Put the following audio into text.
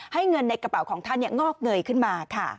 เงินในกระเป๋าของท่านงอกเงยขึ้นมาค่ะ